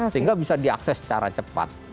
sehingga bisa diakses secara cepat